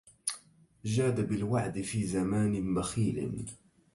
جاد بالوعد في زمان بخيل